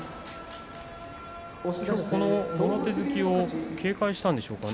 きょう、もろ手突きを警戒したんでしょうか。